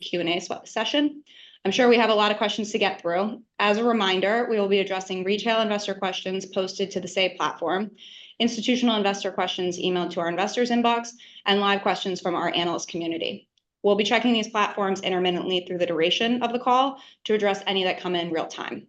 Q&A session. I'm sure we have a lot of questions to get through. As a reminder, we will be addressing retail investor questions posted to the Say platform, institutional investor questions emailed to our investors' inbox, and live questions from our analyst community. We'll be checking these platforms intermittently through the duration of the call to address any that come in real time.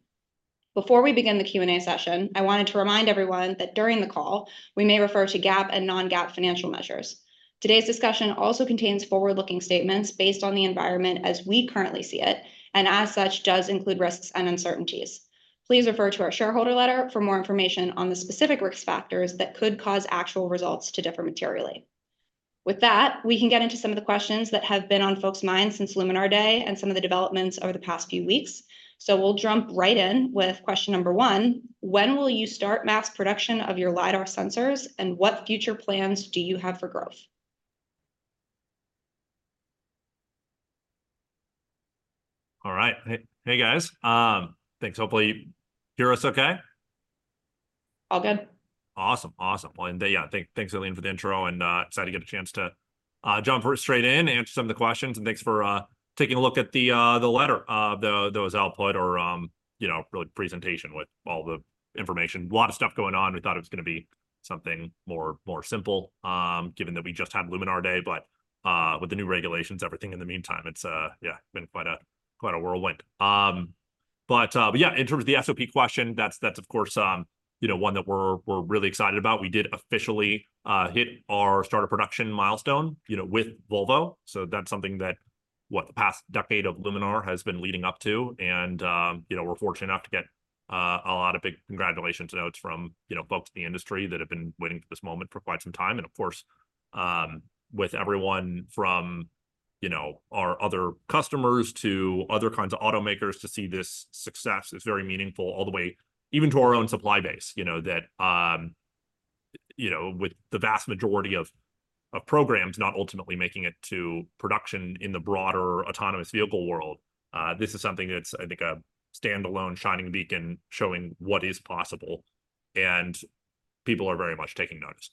Before we begin the Q&A session, I wanted to remind everyone that during the call, we may refer to GAAP and non-GAAP financial measures. Today's discussion also contains forward-looking statements based on the environment as we currently see it, and as such, does include risks and uncertainties. Please refer to our shareholder letter for more information on the specific risk factors that could cause actual results to differ materially. With that, we can get into some of the questions that have been on folks' minds since Luminar Day and some of the developments over the past few weeks. So we'll jump right in with question number one: When will you start mass production of your LiDAR sensors, and what future plans do you have for growth? All right. Hey, hey, guys. Thanks. Hopefully you hear us okay? All good. Awesome, awesome. Well, yeah, thanks, Eileen, for the intro, and excited to get a chance to jump straight in, answer some of the questions. Thanks for taking a look at the letter that was output or, you know, really presentation with all the information. A lot of stuff going on. We thought it was gonna be something more simple, given that we just had Luminar Day, but with the new regulations, everything in the meantime, it's yeah, been quite a whirlwind. But yeah, in terms of the SOP question, that's of course, you know, one that we're really excited about. We did officially hit our start of production milestone, you know, with Volvo, so that's something that the past decade of Luminar has been leading up to. And, you know, we're fortunate enough to get a lot of big congratulations notes from, you know, folks in the industry that have been waiting for this moment for quite some time. And of course, with everyone from, you know, our other customers to other kinds of automakers to see this success is very meaningful all the way even to our own supply base. You know, that, you know, with the vast majority of programs not ultimately making it to production in the broader autonomous vehicle world, this is something that's, I think, a standalone shining beacon, showing what is possible, and people are very much taking notice.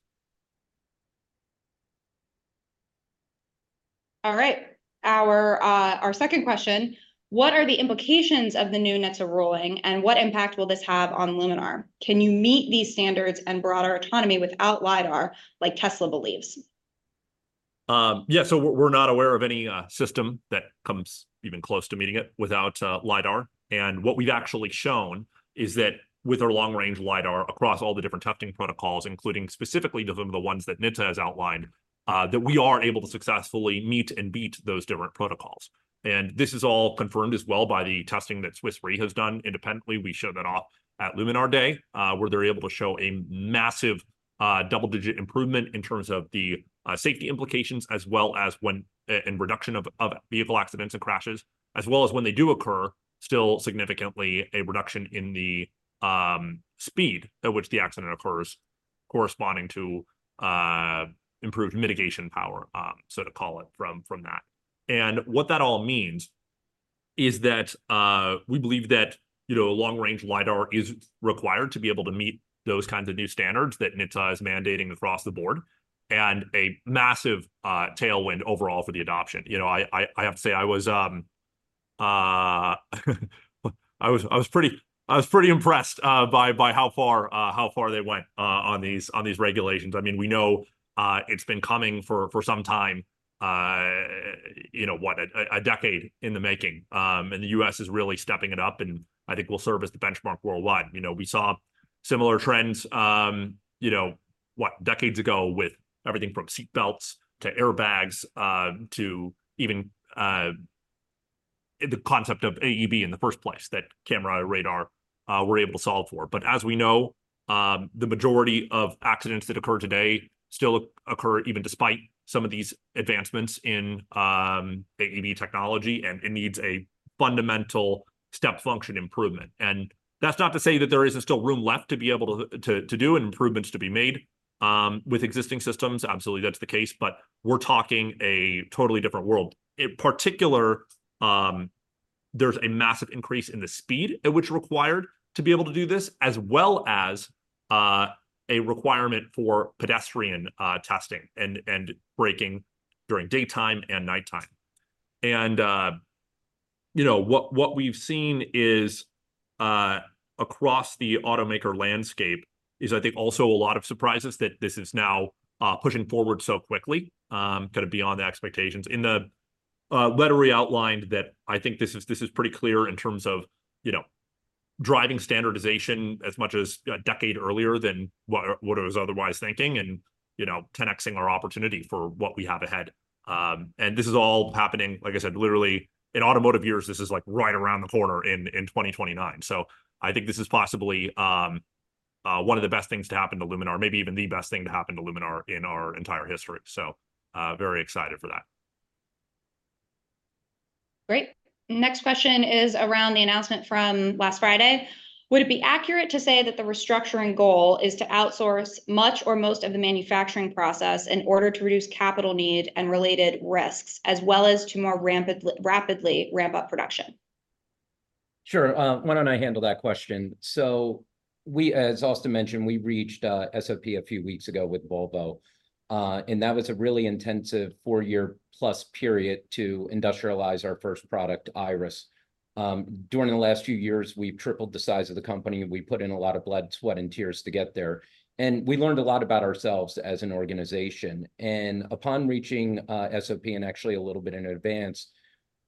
All right. Our second question: What are the implications of the new NHTSA ruling, and what impact will this have on Luminar? Can you meet these standards and broader autonomy without LiDAR, like Tesla believes? Yeah, so we're not aware of any system that comes even close to meeting it without LiDAR. And what we've actually shown is that with our long-range LiDAR across all the different testing protocols, including specifically the ones that NHTSA has outlined, that we are able to successfully meet and beat those different protocols. And this is all confirmed as well by the testing that Swiss Re has done independently. We showed that off at Luminar Day, where they're able to show a massive double-digit improvement in terms of the safety implications, as well as in reduction of vehicle accidents and crashes, as well as when they do occur, still significantly a reduction in the speed at which the accident occurs, corresponding to improved mitigation power, so to call it, from that. And what that all means is that, we believe that, you know, a long-range LiDAR is required to be able to meet those kinds of new standards that NHTSA is mandating across the board, and a massive tailwind overall for the adoption. You know, I have to say, I was pretty impressed by how far they went on these regulations. I mean, we know, it's been coming for some time, you know, what a decade in the making. And the U.S. is really stepping it up, and I think will serve as the benchmark worldwide. You know, we saw similar trends, you know, what, decades ago, with everything from seat belts to airbags, to even the concept of AEB in the first place, that camera, radar, were able to solve for. But as we know, the majority of accidents that occur today still occur even despite some of these advancements in AEB technology, and it needs a fundamental step function improvement. And that's not to say that there isn't still room left to be able to do improvements to be made with existing systems. Absolutely, that's the case. But we're talking a totally different world. In particular, there's a massive increase in the speed at which required to be able to do this, as well as a requirement for pedestrian testing and braking during daytime and nighttime. You know, what we've seen is across the automaker landscape, I think, also a lot of surprises that this is now pushing forward so quickly, kind of beyond the expectations. In the letter we outlined that I think this is pretty clear in terms of, you know, driving standardization as much as a decade earlier than what I was otherwise thinking and, you know, 10x-ing our opportunity for what we have ahead. And this is all happening, like I said, literally in automotive years, this is like right around the corner in 2029. So I think this is possibly one of the best things to happen to Luminar, maybe even the best thing to happen to Luminar in our entire history. So, very excited for that. Great. Next question is around the announcement from last Friday. Would it be accurate to say that the restructuring goal is to outsource much or most of the manufacturing process in order to reduce capital need and related risks, as well as to more rapidly ramp up production? Sure, why don't I handle that question? So we, as Austin mentioned, we reached SOP a few weeks ago with Volvo, and that was a really intensive 4+ year period to industrialize our first product, Iris. During the last few years, we've tripled the size of the company, and we put in a lot of blood, sweat, and tears to get there. And we learned a lot about ourselves as an organization, and upon reaching SOP, and actually a little bit in advance,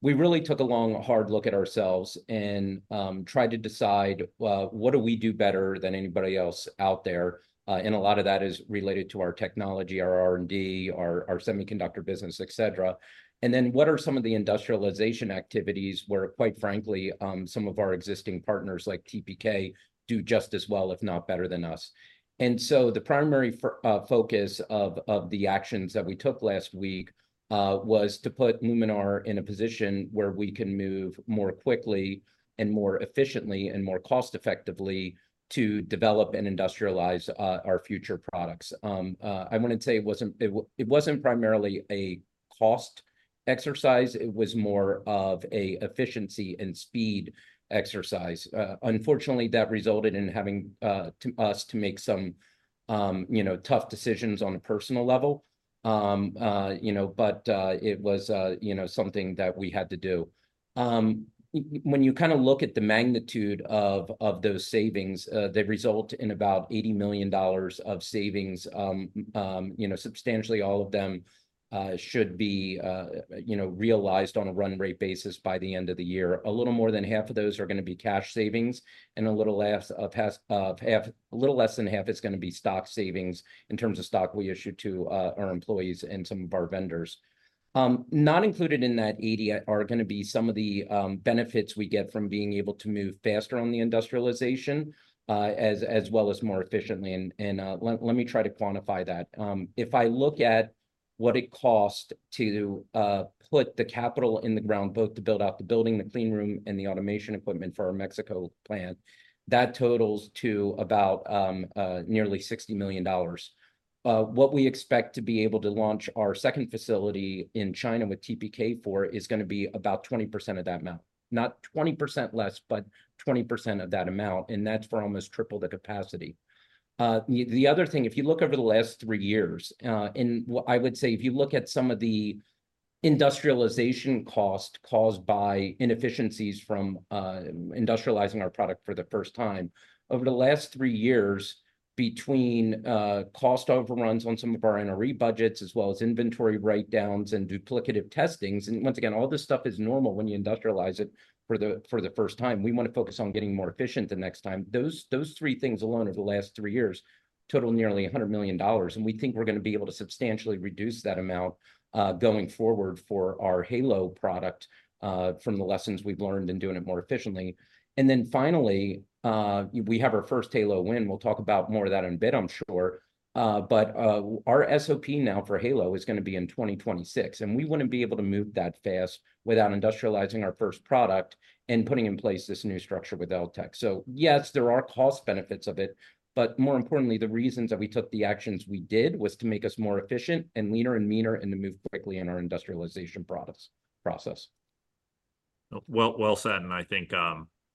we really took a long, hard look at ourselves and tried to decide, well, what do we do better than anybody else out there? And a lot of that is related to our technology, our R&D, our semiconductor business, et cetera. And then, what are some of the industrialization activities where, quite frankly, some of our existing partners, like TPK, do just as well, if not better than us? And so the primary focus of the actions that we took last week was to put Luminar in a position where we can move more quickly and more efficiently and more cost-effectively to develop and industrialize our future products. I wanna say it wasn't; it wasn't primarily a cost exercise. It was more of a efficiency and speed exercise. Unfortunately, that resulted in having to us to make some, you know, tough decisions on a personal level. You know, but it was, you know, something that we had to do. When you kind of look at the magnitude of those savings, they result in about $80 million of savings. You know, substantially all of them should be realized on a run-rate basis by the end of the year. A little more than half of those are gonna be cash savings, and a little less than half is gonna be stock savings in terms of stock we issued to our employees and some of our vendors. Not included in that eighty are gonna be some of the benefits we get from being able to move faster on the industrialization, as well as more efficiently. Let me try to quantify that. If I look at what it cost to put the capital in the ground, both to build out the building, the clean room, and the automation equipment for our Mexico plant, that totals to about nearly $60 million. What we expect to be able to launch our second facility in China with TPK for is gonna be about 20% of that amount. Not 20% less, but 20% of that amount, and that's for almost triple the capacity. The other thing, if you look over the last three years and I would say if you look at some of the industrialization cost caused by inefficiencies from industrializing our product for the first time, over the last three years, between cost overruns on some of our NRE budgets, as well as inventory write-downs and duplicative testings. Once again, all this stuff is normal when you industrialize it for the first time. We wanna focus on getting more efficient the next time. Those three things alone, over the last three years, total nearly $100 million, and we think we're gonna be able to substantially reduce that amount, going forward for our Halo product, from the lessons we've learned in doing it more efficiently. And then finally, we have our first Halo win. We'll talk about more of that in a bit, I'm sure. But, our SOP now for Halo is gonna be in 2026, and we wouldn't be able to move that fast without industrializing our first product and putting in place this new structure with L-Tech. So yes, there are cost benefits of it, but more importantly, the reasons that we took the actions we did was to make us more efficient and leaner and meaner, and to move quickly in our industrialization products, process. Well said, and I think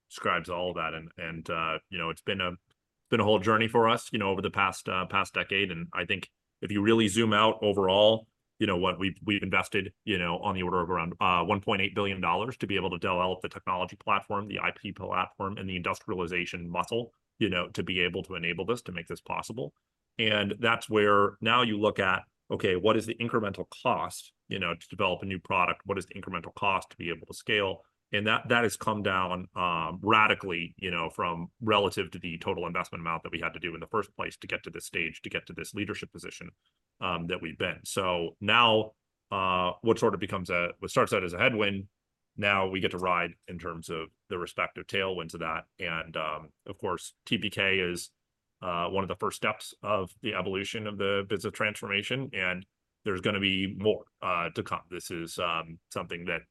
describes all of that. And you know, it's been a whole journey for us, you know, over the past decade. And I think if you really zoom out overall, you know, what we've invested, you know, on the order of around $1.8 billion to be able to develop the technology platform, the IP platform, and the industrialization muscle, you know, to be able to enable this, to make this possible. And that's where now you look at, okay, what is the incremental cost, you know, to develop a new product? What is the incremental cost to be able to scale? That has come down radically, you know, from relative to the total investment amount that we had to do in the first place to get to this stage, to get to this leadership position that we've been. So now, what sort of becomes a headwind, now we get to ride in terms of the respective tailwinds of that. And, of course, TPK is one of the first steps of the evolution of the business transformation, and there's gonna be more to come. This is something that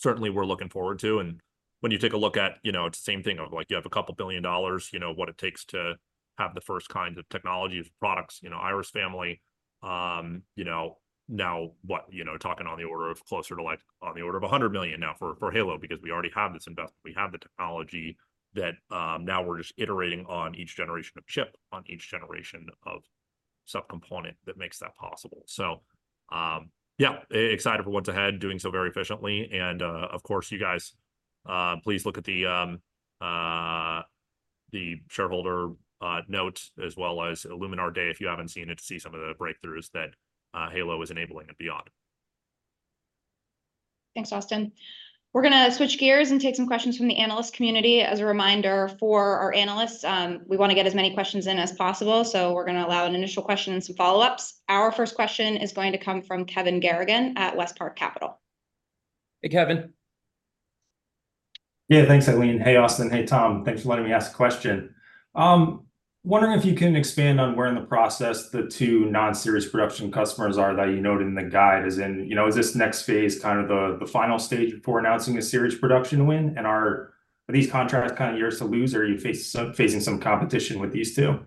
certainly we're looking forward to. And when you take a look at, you know, it's the same thing of, like, you have $2 billion, you know, what it takes to have the first kinds of technologies, products, you know, Iris family. You know, now, what? You know, talking on the order of closer to, like, on the order of $100 million now for Halo, because we already have this investment. We have the technology that, now we're just iterating on each generation of chip, on each generation of subcomponent that makes that possible. So, yeah, excited for what's ahead, doing so very efficiently. And, of course, you guys, please look at the shareholder notes, as well as Luminar Day, if you haven't seen it, to see some of the breakthroughs that Halo is enabling and beyond. Thanks, Austin. We're gonna switch gears and take some questions from the analyst community. As a reminder for our analysts, we wanna get as many questions in as possible, so we're gonna allow an initial question and some follow-ups. Our first question is going to come from Kevin Garrigan at Westpark Capital. Hey, Kevin. Yeah, thanks, Eileen. Hey, Austin. Hey, Tom. Thanks for letting me ask a question. Wondering if you can expand on where in the process the two non-series production customers are that you noted in the guide. As in, you know, is this next phase kind of the final stage before announcing a series production win, and are these contracts kind of yours to lose, or are you facing some competition with these two?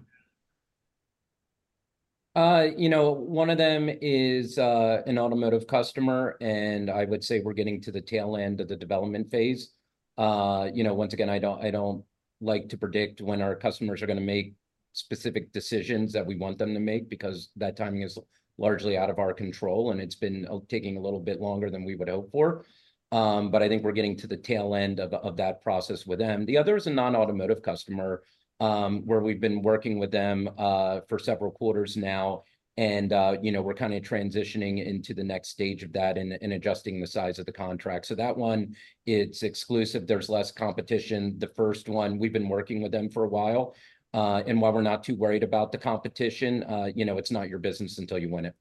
You know, one of them is an automotive customer, and I would say we're getting to the tail end of the development phase. You know, once again, I don't, I don't like to predict when our customers are gonna make specific decisions that we want them to make, because that timing is largely out of our control, and it's been taking a little bit longer than we would hope for. But I think we're getting to the tail end of that process with them. The other is a non-automotive customer, where we've been working with them for several quarters now. And you know, we're kind of transitioning into the next stage of that and adjusting the size of the contract. So that one, it's exclusive, there's less competition. The first one, we've been working with them for a while. And while we're not too worried about the competition, you know, it's not your business until you win it.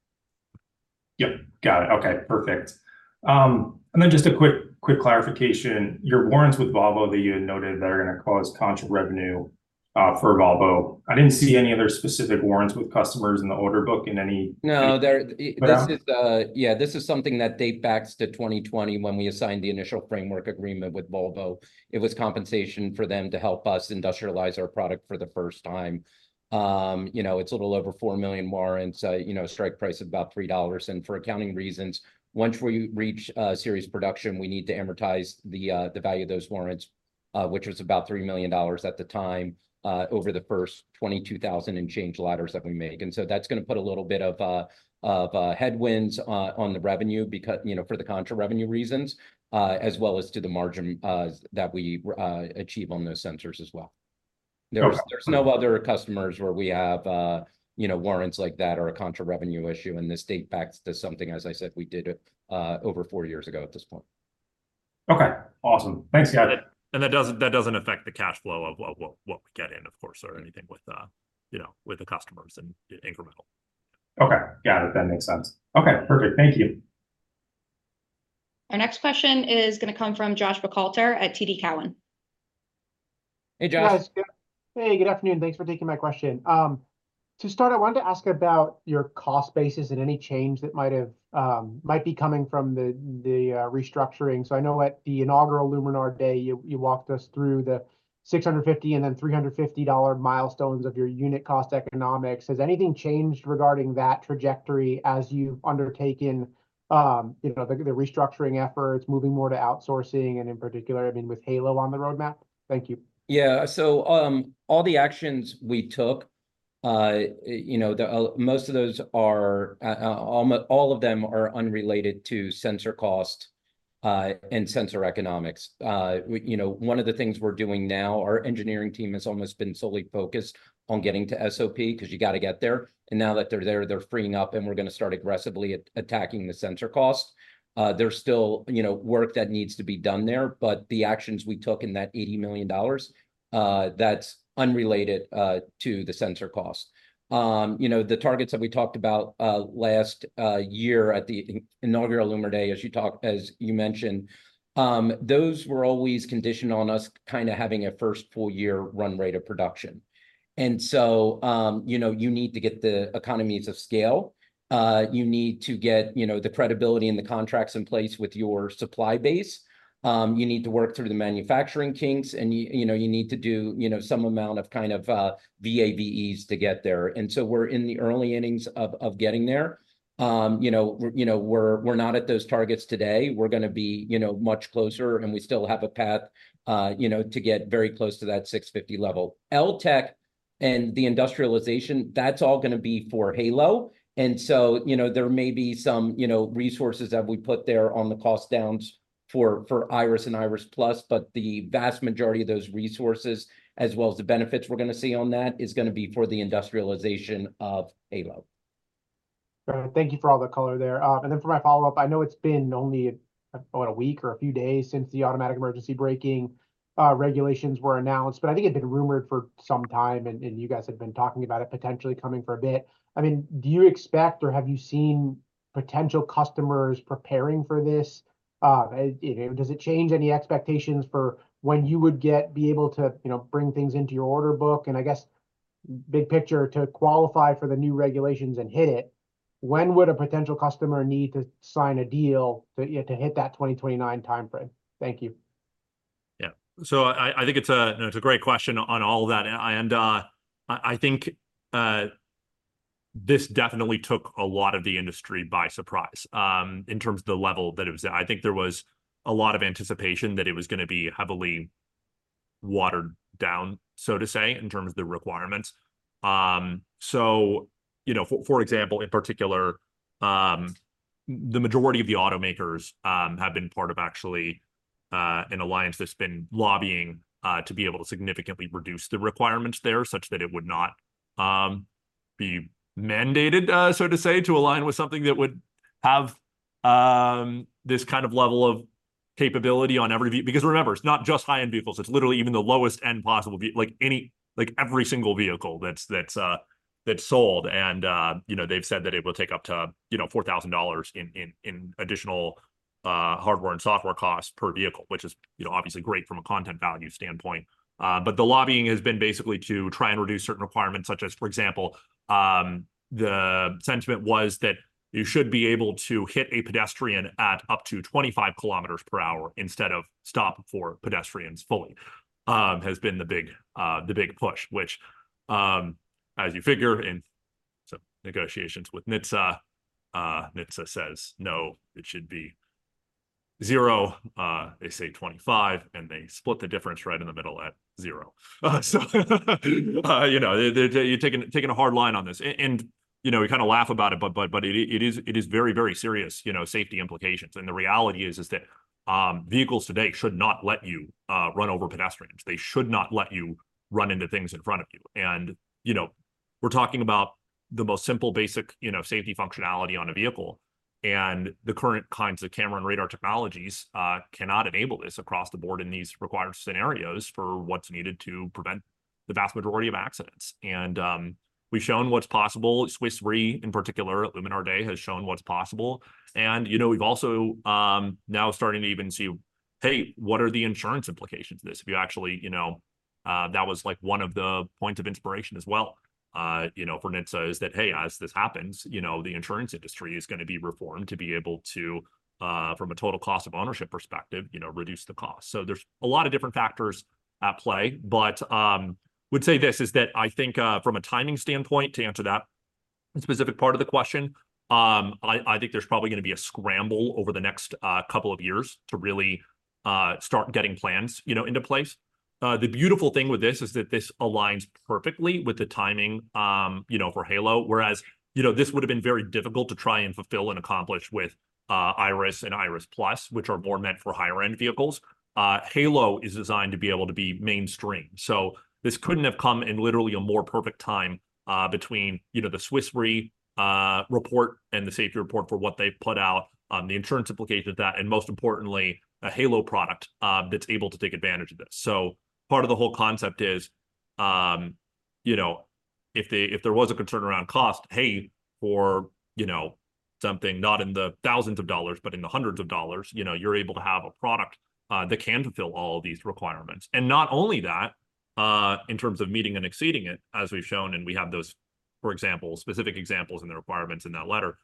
Yep. Got it. Okay, perfect. And then just a quick, quick clarification. Your warrants with Volvo that you had noted that are gonna cause contra revenue for Volvo, I didn't see any other specific warrants with customers in the order book in any. No, there. Yeah This is something that dates back to 2020 when we assigned the initial framework agreement with Volvo. It was compensation for them to help us industrialize our product for the first time. You know, it's a little over 4 million warrants, you know, strike price of about $3. And for accounting reasons, once we reach series production, we need to amortize the value of those warrants, which was about $3 million at the time, over the first 22,000 and change LiDARs that we made. And so that's gonna put a little bit of headwinds on the revenue because, you know, for the contra revenue reasons, as well as to the margin that we achieve on those sensors as well. Okay. There's no other customers where we have, you know, warrants like that or a contra revenue issue, and this dates back to something, as I said, we did over four years ago at this point. Okay, awesome. Thanks, guys. That doesn't affect the cash flow of what we get in, of course, or anything with, you know, with the customers and incremental. Okay. Got it. That makes sense. Okay, perfect. Thank you. Our next question is gonna come from Josh Buchalter at TD Cowen. Hey, Josh. Hey, good afternoon. Thanks for taking my question. To start, I wanted to ask about your cost basis and any change that might have, might be coming from the restructuring. So I know at the inaugural Luminar Day, you walked us through the $650 and then $350 milestones of your unit cost economics. Has anything changed regarding that trajectory as you've undertaken, you know, the restructuring efforts, moving more to outsourcing, and in particular, I mean, with Halo on the roadmap? Thank you. Yeah. So, all the actions we took, you know, the most of those are, all of them are unrelated to sensor cost, and sensor economics. We, you know, one of the things we're doing now, our engineering team has almost been solely focused on getting to SOP, because you gotta get there. And now that they're there, they're freeing up, and we're gonna start aggressively attacking the sensor cost. There's still, you know, work that needs to be done there, but the actions we took in that $80 million, that's unrelated, to the sensor cost. You know, the targets that we talked about last year at the inaugural Luminar Day, as you mentioned, those were always conditional on us kind of having a first full year run rate of production. And so, you know, you need to get the economies of scale. You need to get, you know, the credibility and the contracts in place with your supply base. You need to work through the manufacturing kinks, and you know, you need to do, you know, some amount of kind of VA/VEs to get there. And so we're in the early innings of getting there. You know, you know, we're not at those targets today. We're gonna be, you know, much closer, and we still have a path, you know, to get very close to that $650 level. Tech and the industrialization, that's all gonna be for Halo. And so, you know, there may be some, you know, resources that we put there on the cost downs for, for Iris and Iris+, but the vast majority of those resources, as well as the benefits we're gonna see on that, is gonna be for the industrialization of Halo. Thank you for all the color there. And then for my follow-up, I know it's been only about a week or a few days since the automatic emergency braking regulations were announced, but I think it had been rumored for some time, and you guys had been talking about it potentially coming for a bit. I mean, do you expect or have you seen potential customers preparing for this? You know, does it change any expectations for when you would be able to, you know, bring things into your order book, and I guess, big picture, to qualify for the new regulations and hit it, when would a potential customer need to sign a deal to, yeah, to hit that 2029 timeframe? Thank you. Yeah. So I think it's a great question on all of that. And, I think, this definitely took a lot of the industry by surprise, in terms of the level that it was at. I think there was a lot of anticipation that it was gonna be heavily watered down, so to say, in terms of the requirements. So, you know, for example, in particular, the majority of the automakers have been part of actually an alliance that's been lobbying to be able to significantly reduce the requirements there, such that it would not be mandated, so to say, to align with something that would have this kind of level of capability on every vehicle because remember, it's not just high-end vehicles, it's literally even the lowest-end possible vehicle like any, like every single vehicle that's sold. And you know, they've said that it will take up to $4,000 in additional hardware and software costs per vehicle, which is, you know, obviously great from a content value standpoint. But the lobbying has been basically to try and reduce certain requirements, such as, for example, the sentiment was that you should be able to hit a pedestrian at up to 25 kilometers per hour, instead of stop for pedestrians fully, has been the big push. Which, as you figure in some negotiations with NHTSA, NHTSA says, "No, it should be zero," they say 25, and they split the difference right in the middle at zero. So, you know, they're taking a hard line on this. And, you know, we kinda laugh about it, but it is very serious, you know, safety implications. And the reality is that vehicles today should not let you run over pedestrians. They should not let you run into things in front of you. And, you know, we're talking about the most simple, basic, you know, safety functionality on a vehicle. And the current kinds of camera and radar technologies cannot enable this across the board in these required scenarios for what's needed to prevent the vast majority of accidents. And we've shown what's possible. Swiss Re, in particular, at Luminar Day, has shown what's possible. And, you know, we've also now starting to even see, hey, what are the insurance implications of this? If you actually, you know, that was, like, one of the points of inspiration as well, you know, for NHTSA, is that, hey, as this happens, you know, the insurance industry is gonna be reformed to be able to, from a total cost of ownership perspective, you know, reduce the cost. So there's a lot of different factors at play, but, would say this, is that I think, from a timing standpoint, to answer that specific part of the question, I, I think there's probably gonna be a scramble over the next, couple of years to really, start getting plans, you know, into place. The beautiful thing with this is that this aligns perfectly with the timing, you know, for Halo. Whereas, you know, this would've been very difficult to try and fulfill and accomplish with, Iris and Iris+, which are more meant for higher-end vehicles. Halo is designed to be able to be mainstream. So this couldn't have come in literally a more perfect time, between, you know, the Swiss Re report and the safety report for what they've put out, the insurance implications of that, and most importantly, a Halo product that's able to take advantage of this. So part of the whole concept is, you know, if they- if there was a concern around cost, hey, for, you know, something not in the $1,000s, but in the $100s, you know, you're able to have a product that can fulfill all of these requirements. And not only that, in terms of meeting and exceeding it, as we've shown, and we have those, for example, specific examples in the requirements in that letter.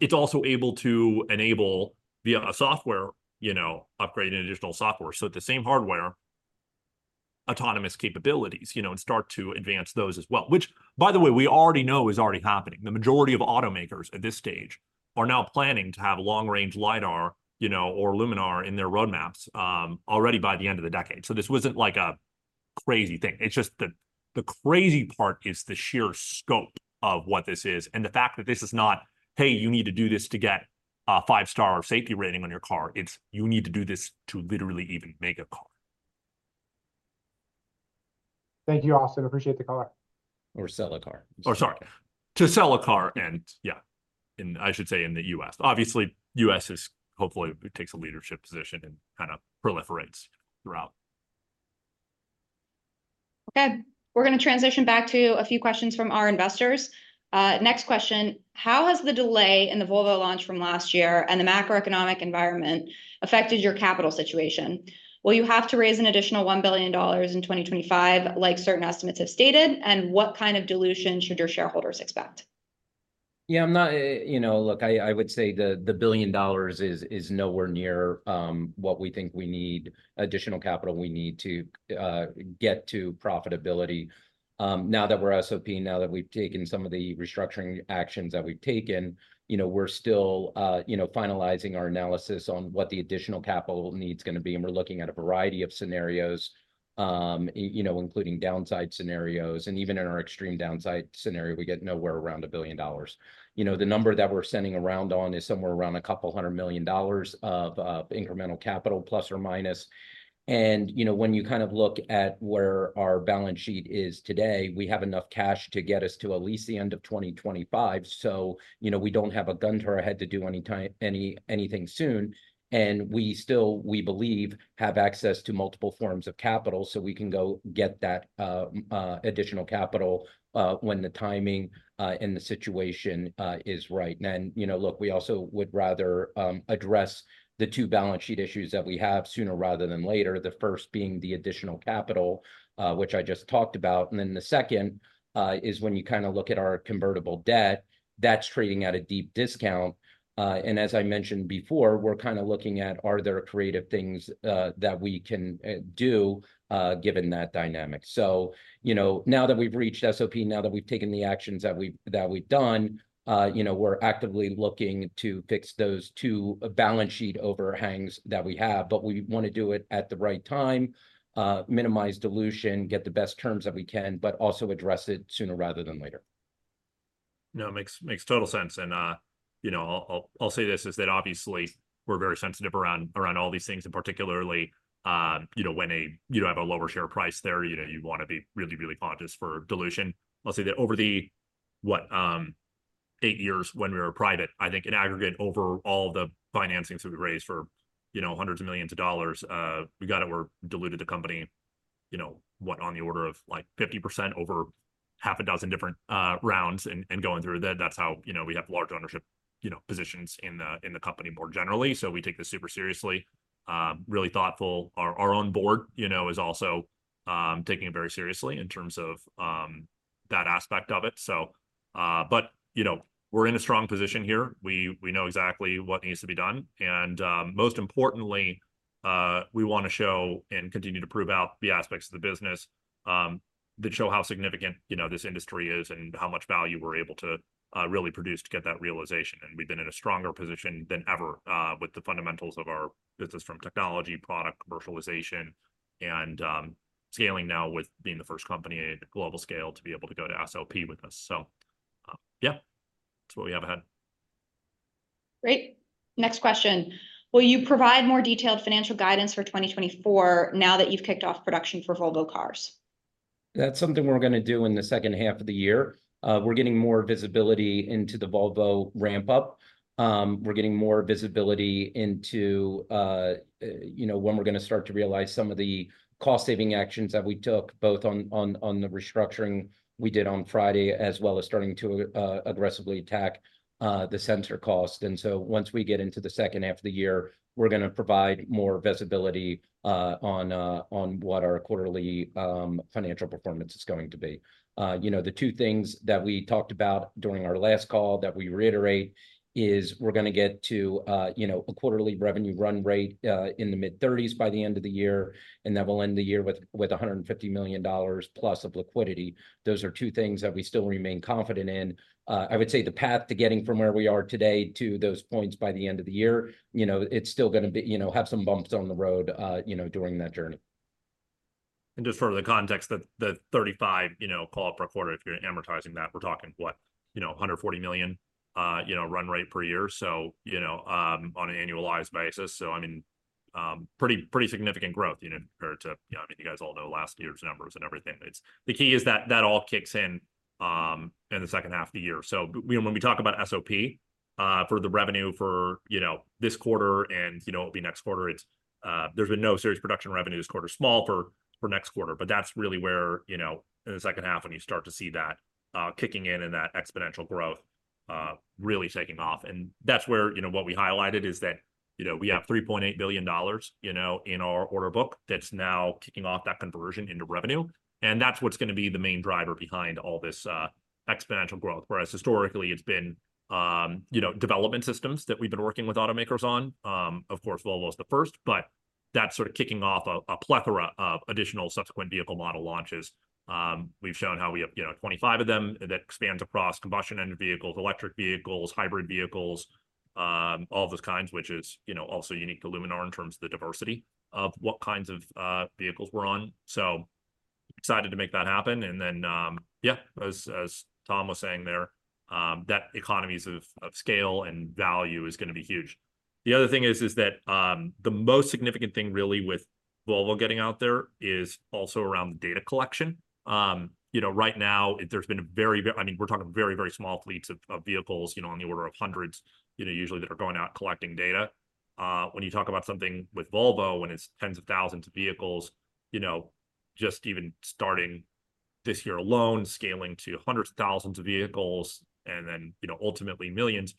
It's also able to enable via a software, you know, upgrade and additional software, so the same hardware, autonomous capabilities, you know, and start to advance those as well. Which, by the way, we already know is already happening. The majority of automakers at this stage are now planning to have long-range LiDAR, you know, or Luminar in their roadmaps, already by the end of the decade. So this wasn't, like, a crazy thing. It's just the, the crazy part is the sheer scope of what this is, and the fact that this is not, "Hey, you need to do this to get a five-star safety rating on your car," it's, "You need to do this to literally even make a car. Thank you, Austin. Appreciate the call. Or sell a car. Oh, sorry. To sell a car, and yeah, in, I should say, in the U.S. Obviously, U.S. is hopefully it takes a leadership position and kinda proliferates throughout. Okay, we're gonna transition back to a few questions from our investors. Next question: How has the delay in the Volvo launch from last year and the macroeconomic environment affected your capital situation? Will you have to raise an additional $1 billion in 2025, like certain estimates have stated, and what kind of dilution should your shareholders expect? Yeah, I'm not, you know, look, I would say the $1 billion is nowhere near what we think we need, additional capital we need to get to profitability. Now that we're SOP, now that we've taken some of the restructuring actions that we've taken, you know, we're still, you know, finalizing our analysis on what the additional capital needs gonna be, and we're looking at a variety of scenarios, you know, including downside scenarios. And even in our extreme downside scenario, we get nowhere around a $1 billion. You know, the number that we're sending around on is somewhere around a couple hundred million dollars of incremental capital ±. You know, when you kind of look at where our balance sheet is today, we have enough cash to get us to at least the end of 2025. So, you know, we don't have a gun to our head to do anything soon, and we still, we believe, have access to multiple forms of capital, so we can go get that additional capital when the timing and the situation is right. And, you know, look, we also would rather address the two balance sheet issues that we have sooner rather than later. The first being the additional capital, which I just talked about, and then the second is when you kinda look at our convertible debt, that's trading at a deep discount. and as I mentioned before, we're kinda looking at, are there creative things, that we can, do, given that dynamic? So, you know, now that we've reached SOP, now that we've taken the actions that we've, that we've done, you know, we're actively looking to fix those two balance sheet overhangs that we have, but we wanna do it at the right time, minimize dilution, get the best terms that we can, but also address it sooner rather than later. No, it makes total sense. You know, I'll say this, is that obviously we're very sensitive around all these things, and particularly, you know, when you have a lower share price there, you know, you'd wanna be really cautious for dilution. I'll say that over the 8 years when we were private, I think in aggregate, over all the financings that we raised for $hundreds of millions, we got it, we're diluted the company, you know, on the order of, like, 50% over six different rounds and going through that. That's how, you know, we have large ownership positions in the company more generally, so we take this super seriously, really thoughtful. Our own board, you know, is also taking it very seriously in terms of that aspect of it. So, but, you know, we're in a strong position here. We know exactly what needs to be done, and most importantly, we wanna show and continue to prove out the aspects of the business that show how significant, you know, this industry is, and how much value we're able to really produce to get that realization. And we've been in a stronger position than ever with the fundamentals of our business, from technology, product, commercialization, and scaling now with being the first company at a global scale to be able to go to SOP with us. So, yeah, that's what we have ahead. Great. Next question: Will you provide more detailed financial guidance for 2024, now that you've kicked off production for Volvo Cars? That's something we're gonna do in the second half of the year. We're getting more visibility into the Volvo ramp-up. We're getting more visibility into, you know, when we're gonna start to realize some of the cost-saving actions that we took, both on the restructuring we did on Friday, as well as starting to aggressively attack the sensor cost. And so once we get into the second half of the year, we're gonna provide more visibility on what our quarterly financial performance is going to be. You know, the two things that we talked about during our last call, that we reiterate, is we're gonna get to, you know, a quarterly revenue run rate in the mid-thirties by the end of the year, and that we'll end the year with, with $150 million plus of liquidity. Those are two things that we still remain confident in. I would say the path to getting from where we are today to those points by the end of the year, you know, it's still gonna be you know, have some bumps on the road, you know, during that journey. And just for the context that the $35 mil per quarter, if you're amortizing that, we're talking, what? You know, $140 million run rate per year, so, you know, on an annualized basis. So I mean, pretty, pretty significant growth, you know, compared to, you know, I mean, you guys all know last year's numbers and everything. It's. The key is that that all kicks in in the second half of the year. So when we talk about SOP for the revenue for, you know, this quarter, and, you know, it'll be next quarter, it's, there's been no serious production revenues quarter small for, for next quarter. But that's really where, you know, in the second half when you start to see that kicking in and that exponential growth really taking off. That's where, you know, what we highlighted, is that, you know, we have $3.8 billion, you know, in our order book that's now kicking off that conversion into revenue, and that's what's gonna be the main driver behind all this, exponential growth. Whereas historically, it's been, you know, development systems that we've been working with automakers on. Of course, Volvo was the first, but that's sort of kicking off a plethora of additional subsequent vehicle model launches. We've shown how we have, you know, 25 of them that expands across combustion engine vehicles, electric vehicles, hybrid vehicles, all those kinds, which is, you know, also unique to Luminar in terms of the diversity of what kinds of vehicles we're on. So excited to make that happen, and then, yeah, as Tom was saying there, that economies of scale and value is gonna be huge. The other thing is that, the most significant thing really with Volvo getting out there is also around the data collection. You know, right now there's been a very, very, I mean, we're talking very, very small fleets of vehicles, you know, on the order of hundreds, you know, usually that are going out collecting data. When you talk about something with Volvo, when it's tens of thousands of vehicles, you know, just even starting this year alone, scaling to hundreds of thousands of vehicles and then, you know, ultimately millions,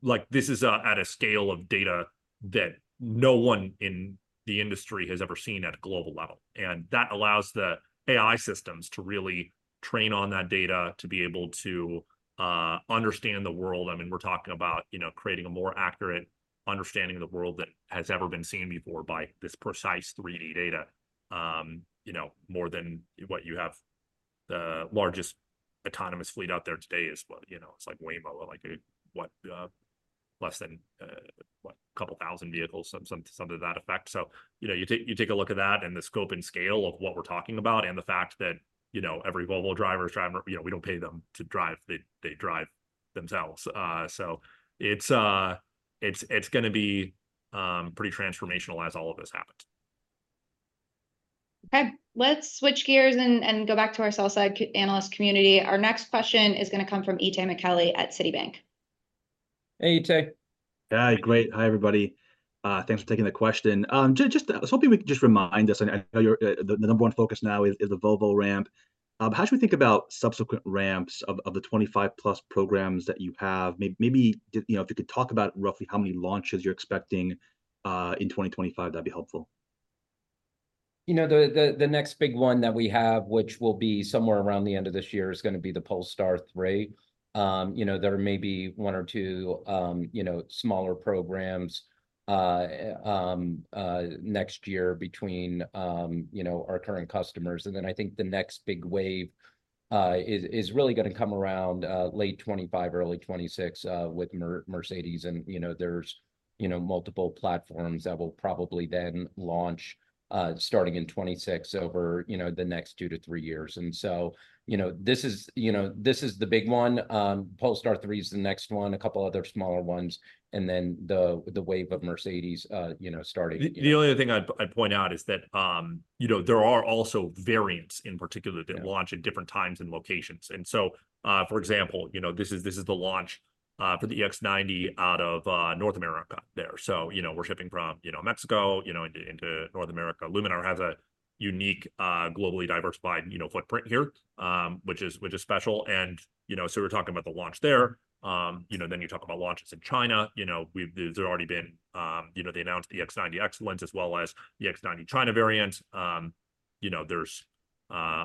like, this is, at a scale of data that no one in the industry has ever seen at a global level. That allows the AI systems to really train on that data, to be able to understand the world. I mean, we're talking about, you know, creating a more accurate understanding of the world than has ever been seen before by this precise 3D data. You know, more than what you have, the largest autonomous fleet out there today is, well, you know, it's like Waymo, or like a what, less than what, a couple thousand vehicles, something to that effect. So, you know, you take a look at that and the scope and scale of what we're talking about, and the fact that, you know, every Volvo driver is driving... You know, we don't pay them to drive, they drive themselves. So it's gonna be pretty transformational as all of this happens. Okay, let's switch gears and go back to our sell-side analyst community. Our next question is gonna come from Itay Michaeli at Citibank. Hey, Itay. Hi, great. Hi, everybody. Thanks for taking the question. Just, I was hoping you could just remind us. I know your number one focus now is the Volvo ramp. How should we think about subsequent ramps of the 25+ programs that you have? Maybe, you know, if you could talk about roughly how many launches you're expecting in 2025, that'd be helpful. You know, the next big one that we have, which will be somewhere around the end of this year, is gonna be the Polestar 3. You know, there are maybe one or two smaller programs next year between our current customers. And then I think the next big wave is really gonna come around late 2025, early 2026, with Mercedes. And, you know, there's multiple platforms that will probably then launch starting in 2026, over the next two to three years. And so, you know, this is the big one. Polestar 3 is the next one, a couple other smaller ones, and then the wave of Mercedes, you know, starting. The only other thing I'd point out is that, you know, there are also variants in particular that launch at different times and locations. And so, for example, you know, this is, this is the launch, for the EX90 out of, North America there. So, you know, we're shipping from, you know, Mexico, you know, into, into North America. Luminar has a unique, globally diversified, you know, footprint here, which is, which is special. And, you know, so we're talking about the launch there. You know, then you talk about launches in China. You know, we've – there's already been, you know, they announced the EX90 Excellence, as well as the EX90 China variant. You know, there's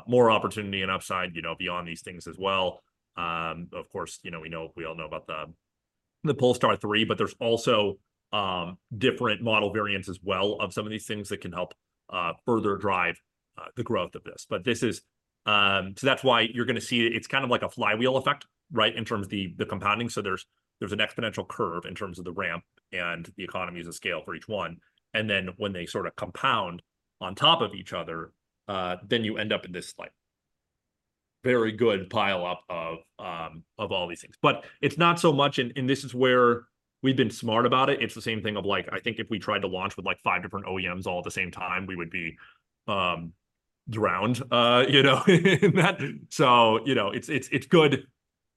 more opportunity and upside, you know, beyond these things as well. Of course, you know, we know, we all know about the Polestar 3, but there's also different model variants as well of some of these things that can help further drive the growth of this. But this is. So that's why you're gonna see it's kind of like a flywheel effect, right? In terms of the compounding. So there's an exponential curve in terms of the ramp and the economies of scale for each one, and then when they sort of compound on top of each other, then you end up in this, like, very good pile-up of all these things. But it's not so much, and this is where we've been smart about it. It's the same thing of, like, I think if we tried to launch with, like, five different OEMs all at the same time, we would be, drowned, you know, in that. So, you know, it's, it's, it's good.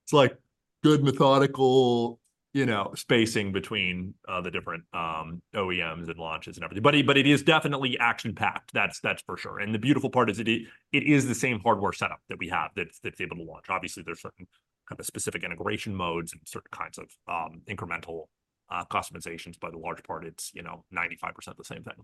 It's like good, methodical, you know, spacing between, the different, OEMs and launches and everything. But it, but it is definitely action-packed, that's, that's for sure. And the beautiful part is it, it is the same hardware setup that we have that's, that's able to launch. Obviously, there's certain kind of specific integration modes and certain kinds of, incremental, customizations, but the large part, it's, you know, 95% the same thing.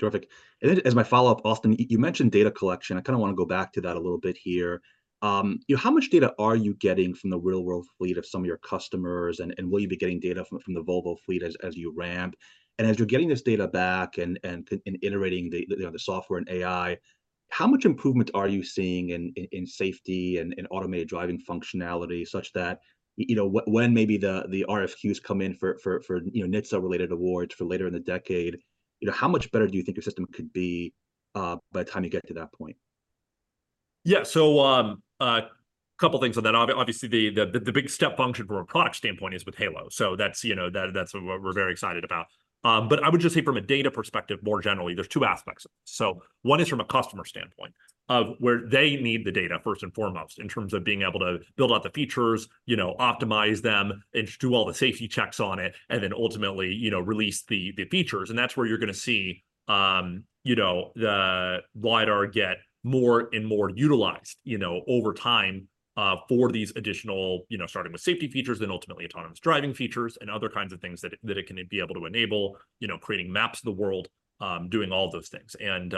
Terrific. And then as my follow-up, Austin, you mentioned data collection. I kind of want to go back to that a little bit here. You know, how much data are you getting from the real-world fleet of some of your customers? And will you be getting data from the Volvo fleet as you ramp? And as you're getting this data back and iterating the you know, the software and AI, how much improvement are you seeing in safety and automated driving functionality, such that you know, when maybe the RFQs come in for you know, NHTSA-related awards for later in the decade, you know, how much better do you think your system could be by the time you get to that point? Yeah. So, couple things on that. Obviously, the big step function from a product standpoint is with Halo. So that's, you know, that, that's what we're very excited about. But I would just say from a data perspective, more generally, there's two aspects. So one is from a customer standpoint, of where they need the data first and foremost, in terms of being able to build out the features, you know, optimize them, and do all the safety checks on it, and then ultimately, you know, release the features. And that's where you're gonna see, you know, the LiDAR get more and more utilized, you know, over time, for these additional, you know, starting with safety features and ultimately autonomous driving features and other kinds of things that it, that it can be able to enable, you know, creating maps of the world, doing all those things. And,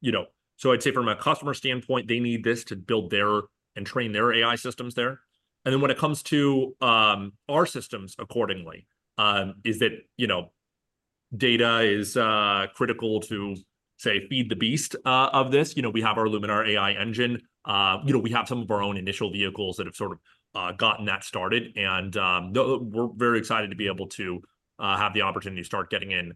you know, so I'd say from a customer standpoint, they need this to build their and train their AI systems there. And then when it comes to, our systems accordingly, is that, you know, data is, critical to, say, feed the beast, of this. You know, we have our Luminar AI engine. You know, we have some of our own initial vehicles that have sort of gotten that started, and we're very excited to be able to have the opportunity to start getting in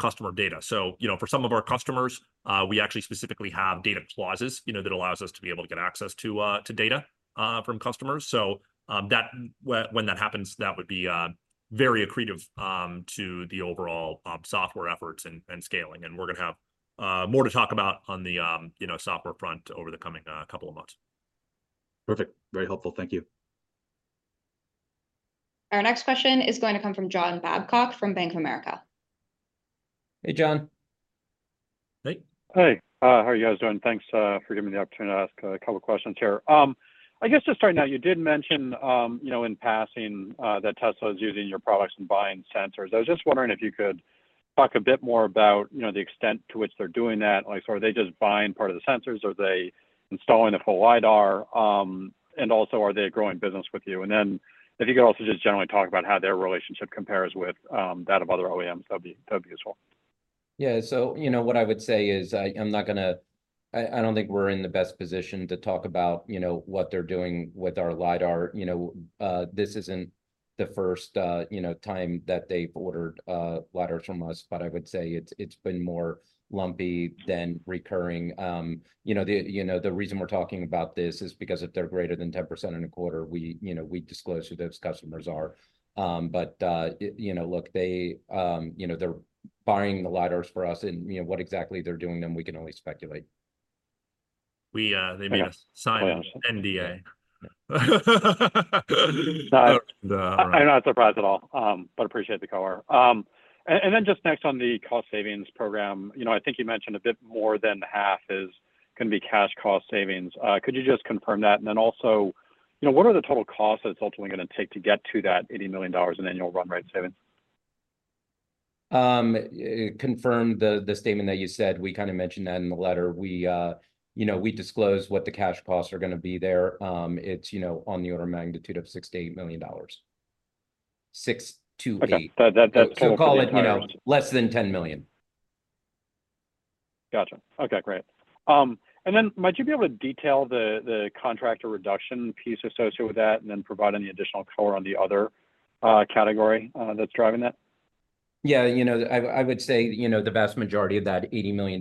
customer data. So, you know, for some of our customers, we actually specifically have data clauses, you know, that allows us to be able to get access to data from customers. So, that when that happens, that would be very accretive to the overall software efforts and scaling. And we're gonna have more to talk about on the software front over the coming couple of months. Perfect. Very helpful. Thank you. Our next question is going to come from John Babcock from Bank of America. Hey, John. Hey. Hey, how are you guys doing? Thanks, for giving me the opportunity to ask a couple of questions here. I guess just starting out, you did mention, you know, in passing, that Tesla is using your products and buying sensors. I was just wondering if you could talk a bit more about, you know, the extent to which they're doing that. Like, so are they just buying part of the sensors? Are they installing the full LiDAR? And also, are they a growing business with you? And then if you could also just generally talk about how their relationship compares with, that of other OEMs, that'd be, that'd be useful. Yeah. So, you know, what I would say is, I'm not gonna... I don't think we're in the best position to talk about, you know, what they're doing with our LiDAR. You know, this isn't the first, you know, time that they've ordered, LiDARs from us, but I would say it's, it's been more lumpy than recurring. You know, the, you know, the reason we're talking about this is because if they're greater than 10% in a quarter, we, you know, we disclose who those customers are. But, you know, look, they, you know, they're buying the LiDARs for us, and, you know, what exactly they're doing them, we can only speculate. We, uh, Yeah They made us sign an NDA. I'm not surprised at all, but appreciate the call. And then just next on the cost savings program, you know, I think you mentioned a bit more than half is gonna be cash cost savings. Could you just confirm that? And then also, you know, what are the total costs that it's ultimately gonna take to get to that $80 million in annual run rate savings? Confirm the statement that you said, we kind of mentioned that in the letter. We, you know, we disclosed what the cash costs are gonna be there. It's, you know, on the order of magnitude of $6-$8 million. Okay. That, We'll call it less than $10 million. Gotcha. Okay, great. And then might you be able to detail the, the contractor reduction piece associated with that, and then provide any additional color on the other category that's driving that? Yeah, you know, I would say, you know, the vast majority of that $80 million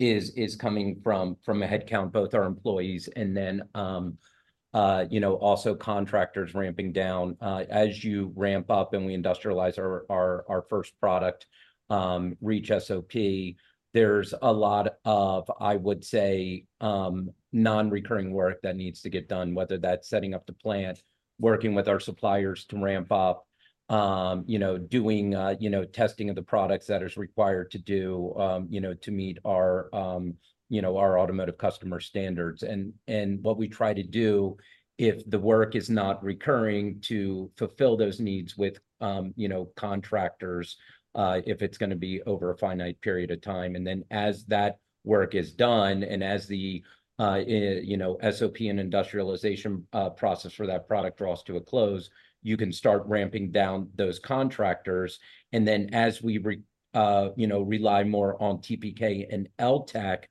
is coming from a headcount, both our employees and then, you know, also contractors ramping down. As you ramp up and we industrialize our first product, reach SOP. There's a lot of, I would say, non-recurring work that needs to get done, whether that's setting up the plant, working with our suppliers to ramp up, you know, doing testing of the products that is required to meet our, you know, our automotive customer standards. And what we try to do, if the work is not recurring, to fulfill those needs with, you know, contractors, if it's gonna be over a finite period of time. And then as that work is done, and as the, you know, SOP and industrialization process for that product draws to a close, you can start ramping down those contractors. And then as we re- you know, rely more on TPK and L-Tech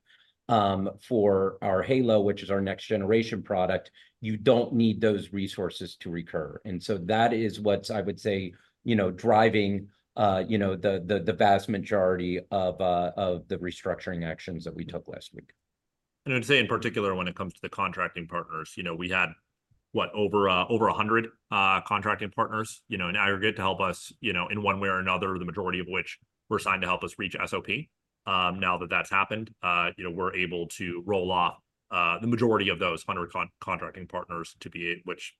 for our Halo, which is our next generation product, you don't need those resources to recur. And so that is what I would say, you know, driving you know, the, the, the vast majority of of the restructuring actions that we took last week. I'd say in particular, when it comes to the contracting partners, you know, we had, what, over 100 contracting partners, you know, in aggregate to help us, you know, in one way or another, the majority of which were signed to help us reach SOP. Now that that's happened, you know, we're able to roll off the majority of those 100 contracting partners to be, which,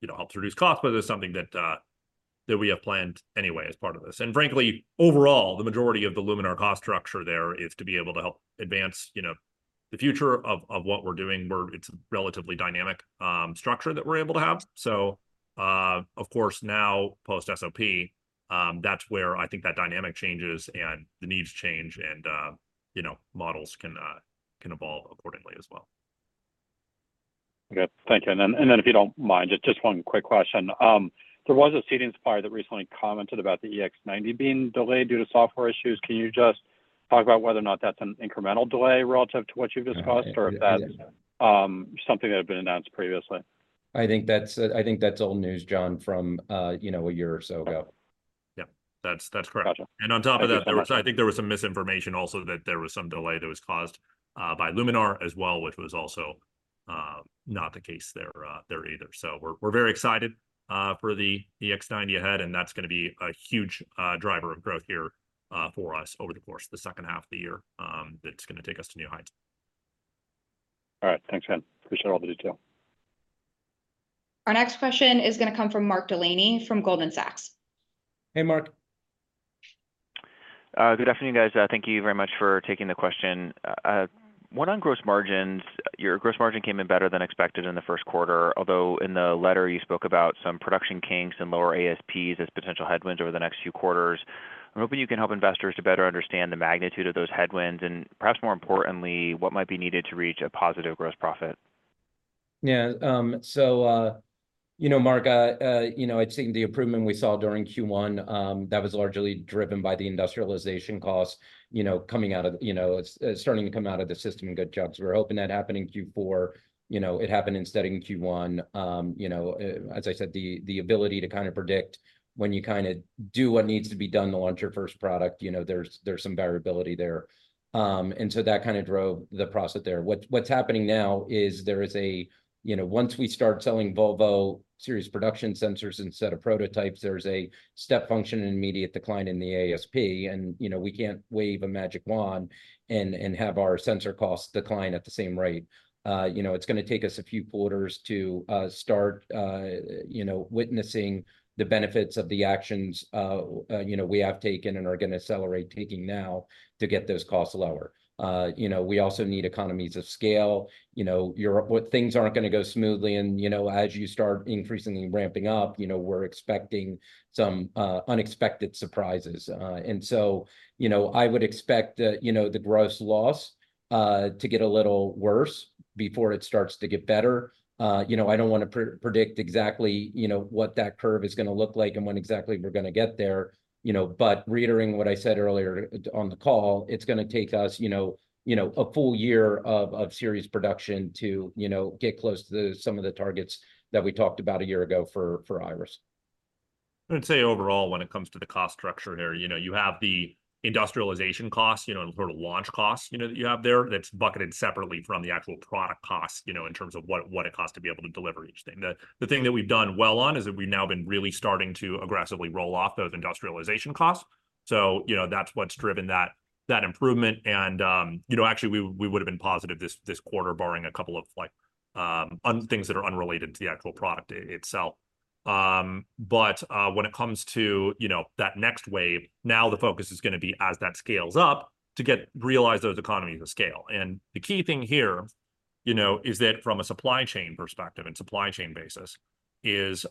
you know, helps reduce costs, but is something that we have planned anyway as part of this. And frankly, overall, the majority of the Luminar cost structure there is to be able to help advance, you know, the future of what we're doing, where it's a relatively dynamic structure that we're able to have. So, of course, now post-SOP, that's where I think that dynamic changes and the needs change, and, you know, models can evolve accordingly as well. Okay, thank you. And then if you don't mind, just one quick question. There was a seating supplier that recently commented about the EX90 being delayed due to software issues. Can you just talk about whether or not that's an incremental delay relative to what you've discussed or if that's, something that had been announced previously? I think that's, I think that's old news, John, from, you know, a year or so ago. Yeah. That's, that's correct. Gotcha. And on top of that, I think there was some misinformation also that there was some delay that was caused by Luminar as well, which was also not the case there either. So we're very excited for the EX90 ahead, and that's gonna be a huge driver of growth here for us over the course of the second half of the year. That's gonna take us to new heights. All right. Thanks, Tom. Appreciate all the detail. Our next question is gonna come from Mark Delaney from Goldman Sachs. Hey, Mark. Good afternoon, guys. Thank you very much for taking the question. One on gross margins. Your gross margin came in better than expected in the first quarter, although in the letter, you spoke about some production kinks and lower ASPs as potential headwinds over the next few quarters. I'm hoping you can help investors to better understand the magnitude of those headwinds, and perhaps more importantly, what might be needed to reach a positive gross profit. Yeah, so, you know, Mark, you know, I'd seen the improvement we saw during Q1, that was largely driven by the industrialization costs, you know, coming out of, you know. It's, it's starting to come out of the system in good chunks. We're hoping that happening in Q4, you know, it happened instead in Q1. You know, as I said, the, the ability to kind of predict when you kind of do what needs to be done to launch your first product, you know, there's, there's some variability there. And so that kind of drove the profit there. What's happening now is there is a, you know, once we start selling Volvo series production sensors instead of prototypes, there's a step function and immediate decline in the ASP. You know, we can't wave a magic wand and have our sensor costs decline at the same rate. You know, it's gonna take us a few quarters to start, you know, witnessing the benefits of the actions, you know, we have taken and are gonna accelerate taking now to get those costs lower. You know, we also need economies of scale. You know, Europe, where things aren't gonna go smoothly, and, you know, as you start increasingly ramping up, you know, we're expecting some unexpected surprises. And so, you know, I would expect, you know, the gross loss to get a little worse before it starts to get better. You know, I don't wanna predict exactly, you know, what that curve is gonna look like and when exactly we're gonna get there, you know, but reiterating what I said earlier on the call, it's gonna take us, you know, you know, a full year of serious production to, you know, get close to some of the targets that we talked about a year ago for Iris. I'd say overall, when it comes to the cost structure here, you know, you have the industrialization costs, you know, sort of launch costs, you know, that you have there, that's bucketed separately from the actual product costs, you know, in terms of what it costs to be able to deliver each thing. The thing that we've done well on is that we've now been really starting to aggressively roll off those industrialization costs. So, you know, that's what's driven that improvement. And, you know, actually, we would've been positive this quarter, barring a couple of, like, un- things that are unrelated to the actual product itself. But, when it comes to, you know, that next wave, now the focus is gonna be, as that scales up, to get, realize those economies of scale. The key thing here, you know, is that from a supply chain perspective and supply chain basis, is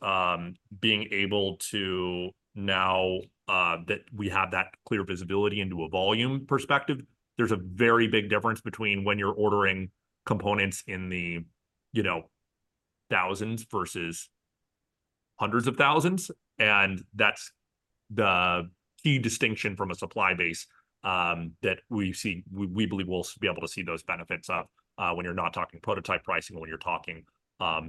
being able to now that we have that clear visibility into a volume perspective. There's a very big difference between when you're ordering components in the, you know, thousands versus hundreds of thousands, and that's the key distinction from a supply base that we see- we believe we'll be able to see those benefits of when you're not talking prototype pricing, when you're talking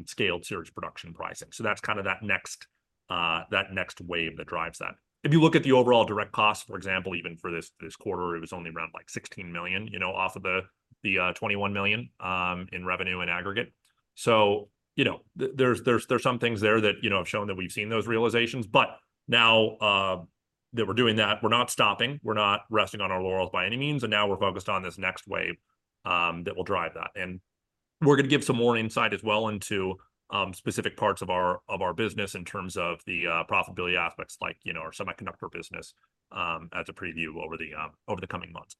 scaled series production pricing. So that's kind of that next that next wave that drives that. If you look at the overall direct costs, for example, even for this, this quarter, it was only around, like, $16 million, you know, off of the, the $21 million in revenue and aggregate. So, you know, there's some things there that, you know, have shown that we've seen those realizations. But now that we're doing that. We're not stopping, we're not resting on our laurels by any means, and now we're focused on this next wave that will drive that. And we're gonna give some more insight as well into specific parts of our business in terms of the profitability aspects, like, you know, our semiconductor business, as a preview over the coming months.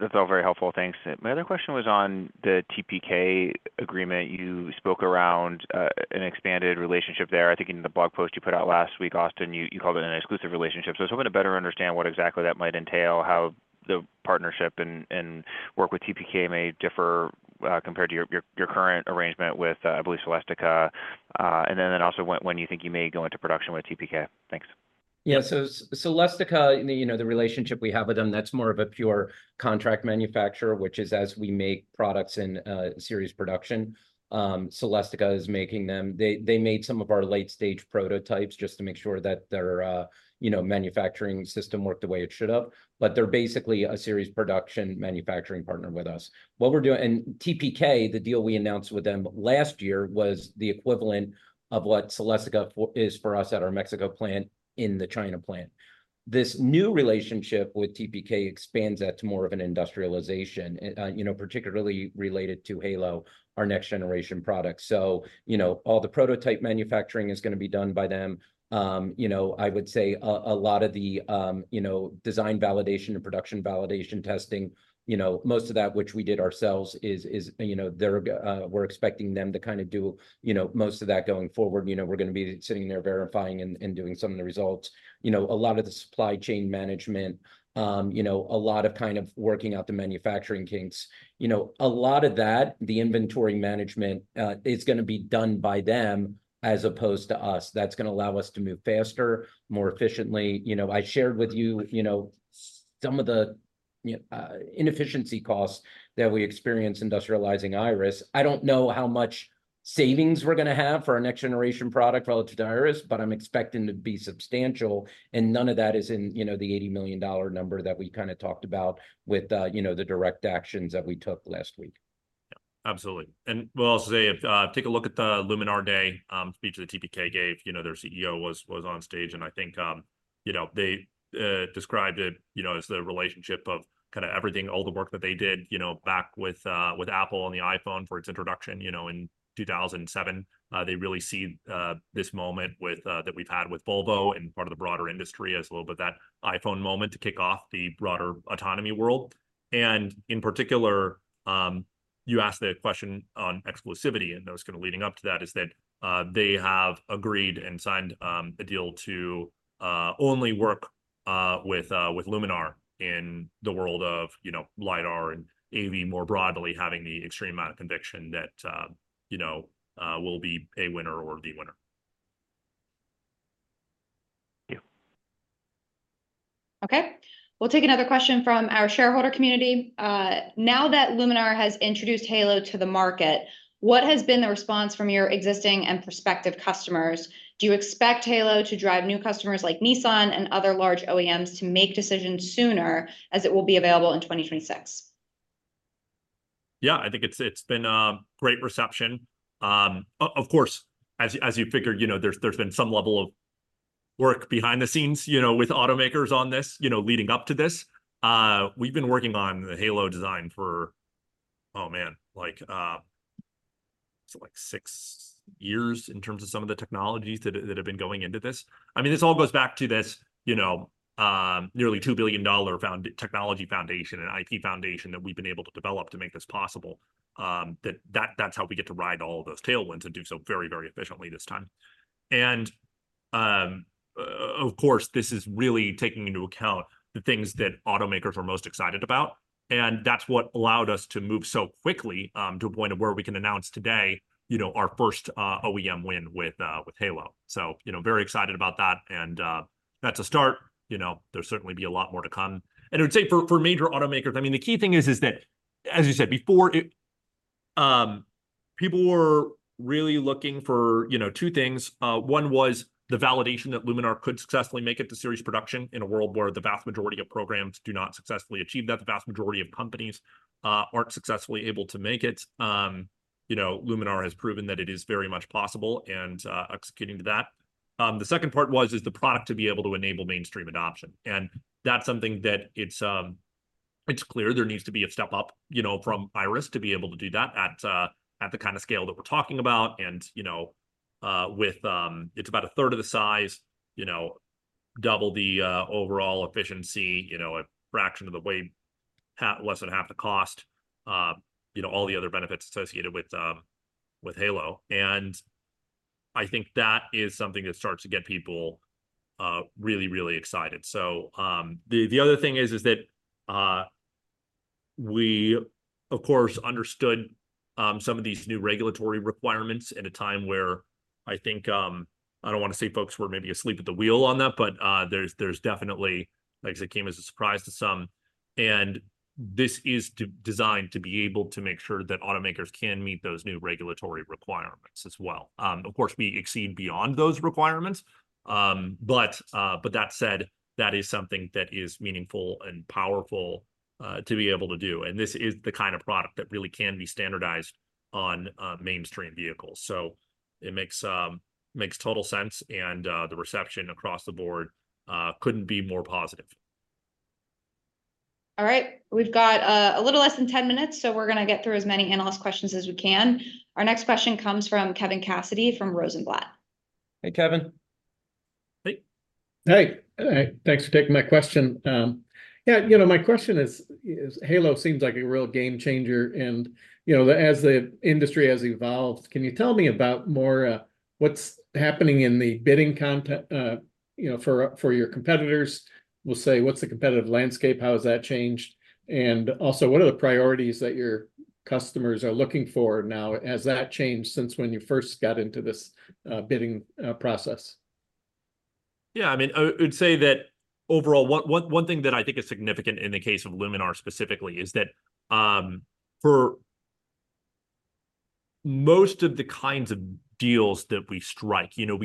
That's all very helpful, thanks. My other question was on the TPK agreement. You spoke around an expanded relationship there. I think in the blog post you put out last week, Austin, you called it an exclusive relationship. So I was hoping to better understand what exactly that might entail, how the partnership and work with TPK may differ compared to your current arrangement with, I believe, Celestica. And then also when you think you may go into production with TPK. Thanks. Yeah, so Celestica, you know, the relationship we have with them, that's more of a pure contract manufacturer, which is as we make products in series production, Celestica is making them. They, they made some of our late-stage prototypes just to make sure that their, you know, manufacturing system worked the way it should have, but they're basically a series production manufacturing partner with us. What we're doing... And TPK, the deal we announced with them last year, was the equivalent of what Celestica is for us at our Mexico plant, in the China plant. This new relationship with TPK expands that to more of an industrialization, you know, particularly related to Halo, our next-generation product. So, you know, all the prototype manufacturing is gonna be done by them. You know, I would say a lot of the, you know, design validation and production validation testing, you know, most of that, which we did ourselves, is, you know, they're, we're expecting them to kind of do, you know, most of that going forward. You know, we're gonna be sitting there verifying and doing some of the results. You know, a lot of the supply chain management, you know, a lot of kind of working out the manufacturing kinks. You know, a lot of that, the inventory management, is gonna be done by them as opposed to us. That's gonna allow us to move faster, more efficiently. You know, I shared with you, you know, some of the inefficiency costs that we experience industrializing Iris. I don't know how much savings we're gonna have for our next-generation product relative to Iris, but I'm expecting it to be substantial, and none of that is in, you know, the $80 million number that we kind of talked about with, you know, the direct actions that we took last week. Absolutely. And we'll also say, if take a look at the Luminar Day, speech that TPK gave, you know, their CEO was on stage, and I think, you know, they described it, you know, as the relationship of kind of everything, all the work that they did, you know, back with, with Apple and the iPhone for its introduction, you know, in 2007. They really see, this moment with, that we've had with Volvo and part of the broader industry as a little bit of that iPhone moment to kick off the broader autonomy world. In particular, you asked the question on exclusivity, and that was kind of leading up to that, they have agreed and signed a deal to only work with Luminar in the world of, you know, LiDAR and AV more broadly, having the extreme amount of conviction that, you know, we'll be a winner or the winner. Thank you. Okay. We'll take another question from our shareholder community. Now that Luminar has introduced Halo to the market, what has been the response from your existing and prospective customers? Do you expect Halo to drive new customers like Nissan and other large OEMs to make decisions sooner, as it will be available in 2026? Yeah, I think it's been a great reception. Of course, as you figured, you know, there's been some level of work behind the scenes, you know, with automakers on this, you know, leading up to this. We've been working on the Halo design for, oh, man, like six years in terms of some of the technologies that have been going into this. I mean, this all goes back to this, you know, nearly $2 billion technology foundation and IP foundation that we've been able to develop to make this possible. That's how we get to ride all of those tailwinds and do so very, very efficiently this time. Of course, this is really taking into account the things that automakers are most excited about, and that's what allowed us to move so quickly to a point where we can announce today, you know, our first OEM win with Halo. So, you know, very excited about that, and that's a start. You know, there'll certainly be a lot more to come. I would say for major automakers, I mean, the key thing is that, as you said before, it. People were really looking for, you know, two things. One was the validation that Luminar could successfully make it to series production in a world where the vast majority of programs do not successfully achieve that. The vast majority of companies aren't successfully able to make it. You know, Luminar has proven that it is very much possible and executing to that. The second part was, is the product to be able to enable mainstream adoption, and that's something that it's, it's clear there needs to be a step up, you know, from Iris to be able to do that at, at the kind of scale that we're talking about. And, you know, with, it's about a third of the size, you know, double the, overall efficiency, you know, a fraction of the way, half- less than half the cost. You know, all the other benefits associated with, with Halo, and I think that is something that starts to get people, really, really excited. So, the other thing is that we, of course, understood some of these new regulatory requirements at a time where I think I don't want to say folks were maybe asleep at the wheel on that, but there's definitely, like, it came as a surprise to some. And this is designed to be able to make sure that automakers can meet those new regulatory requirements as well. Of course, we exceed beyond those requirements. But that said, that is something that is meaningful and powerful to be able to do, and this is the kind of product that really can be standardized on mainstream vehicles. So it makes total sense, and the reception across the board couldn't be more positive. All right, we've got a little less than 10 minutes, so we're gonna get through as many analyst questions as we can. Our next question comes from Kevin Cassidy from Rosenblatt. Hey, Kevin. Hey. Hey. Hey, thanks for taking my question. Yeah, you know, my question is, is Halo seems like a real game changer and, you know, as the industry has evolved, can you tell me about more, what's happening in the bidding, you know, for, for your competitors? We'll say, what's the competitive landscape, how has that changed? And also, what are the priorities that your customers are looking for now? Has that changed since when you first got into this, bidding, process? Yeah, I mean, I'd say that overall, one thing that I think is significant in the case of Luminar specifically, is that, for most of the kinds of deals that we strike, you know,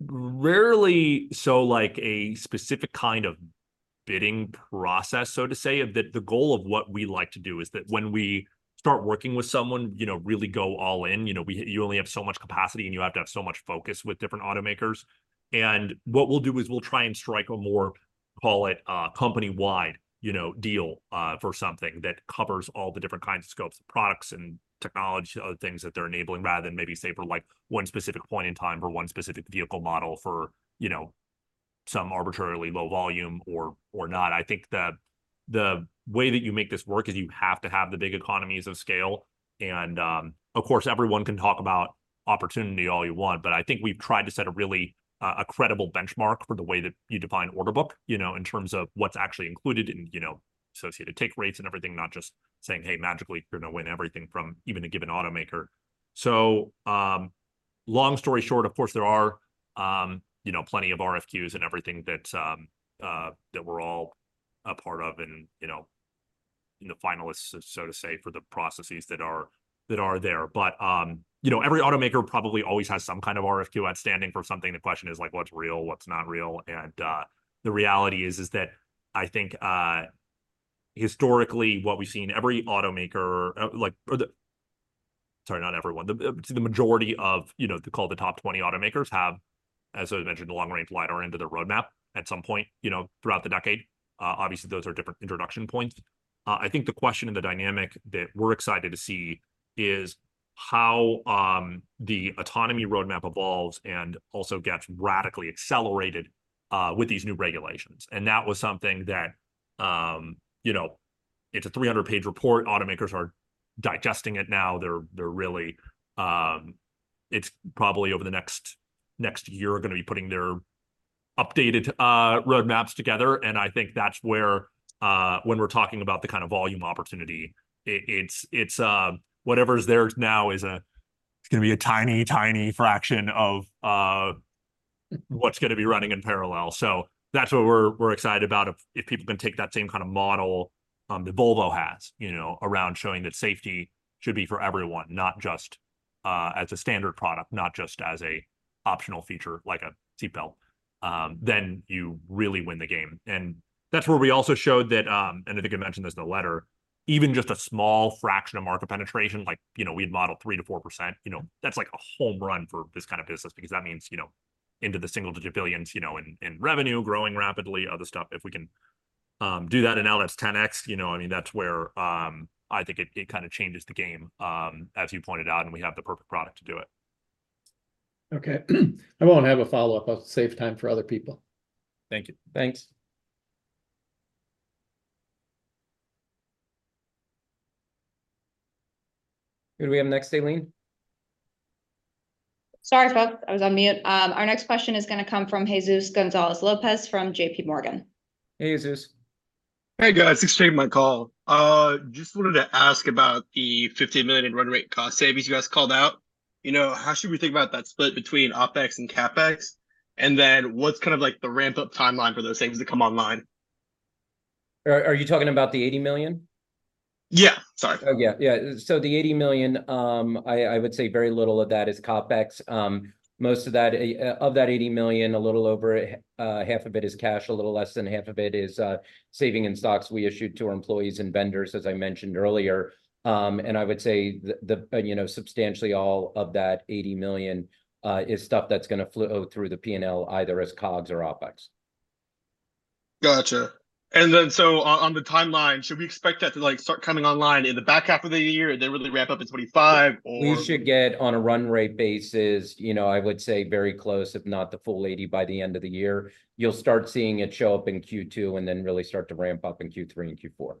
it's rarely so, like, a specific kind of bidding process, so to say. That the goal of what we like to do is that when we start working with someone, you know, really go all in. You know, you only have so much capacity, and you have to have so much focus with different automakers. What we'll do is we'll try and strike a more, call it, a company-wide, you know, deal for something that covers all the different kinds of scopes, products, and technology, other things that they're enabling, rather than maybe say, for like, one specific point in time or one specific vehicle model for, you know, some arbitrarily low volume or, or not. I think the, the way that you make this work is you have to have the big economies of scale. And, of course, everyone can talk about opportunity all you want, but I think we've tried to set a really, a credible benchmark for the way that you define order book, you know, in terms of what's actually included and, you know, associated take rates and everything, not just saying, "Hey, magically, you're gonna win everything from even a given automaker." So, long story short, of course, there are, you know, plenty of RFQs and everything that, that we're all a part of and, you know, in the finalists, so to say, for the processes that are, that are there. But, you know, every automaker probably always has some kind of RFQ outstanding for something. The question is, like, what's real, what's not real? The reality is, is that I think, historically, what we've seen, every automaker, like, or the... Sorry, not everyone. The majority of, you know, call it the top 20 automakers have, as I mentioned, long-range LiDAR into their roadmap at some point, you know, throughout the decade. Obviously, those are different introduction points. I think the question and the dynamic that we're excited to see is how the autonomy roadmap evolves and also gets radically accelerated with these new regulations. And that was something that, you know, it's a 300-page report. Automakers are digesting it now. They're really. It's probably over the next year, are gonna be putting their updated roadmaps together, and I think that's where, when we're talking about the kind of volume opportunity, it's whatever's there now is, it's gonna be a tiny, tiny fraction of what's gonna be running in parallel. So that's what we're excited about. If people can take that same kind of model that Volvo has, you know, around showing that safety should be for everyone, not just as a standard product, not just as an optional feature, like a seatbelt, then you really win the game. And that's where we also showed that... I think I mentioned this in the letter, even just a small fraction of market penetration, like, you know, we had modeled 3%-4%, you know, that's like a home run for this kind of business because that means, you know, into the single-digit billion dollars, you know, in revenue, growing rapidly, other stuff. If we can do that, and now that's 10x, you know, I mean, that's where I think it kind of changes the game, as you pointed out, and we have the perfect product to do it. Okay. I won't have a follow-up. I'll save time for other people. Thank you. Thanks. Who do we have next, Aileen? Sorry, folks, I was on mute. Our next question is gonna come from Jesus Gonzalez from JPMorgan. Hey, Jesus. Hey, guys. Thanks for taking my call. Just wanted to ask about the $50 million run rate cost savings you guys called out. You know, how should we think about that split between OpEx and CapEx? And then what's kind of like the ramp-up timeline for those savings to come online? Are you talking about the $80 million? Yeah, sorry. Oh, yeah, yeah. So the $80 million, I would say very little of that is CapEx. Most of that, of that $80 million, a little over half of it is cash, a little less than half of it is saving in stocks we issued to our employees and vendors, as I mentioned earlier. And I would say, you know, substantially all of that $80 million is stuff that's gonna flow through the P&L, either as COGS or OpEx. Gotcha. And then, so on the timeline, should we expect that to, like, start coming online in the back half of the year, and then really ramp up in 2025, or, We should get on a run rate basis, you know, I would say very close, if not the full 80 by the end of the year. You'll start seeing it show up in Q2, and then really start to ramp up in Q3 and Q4.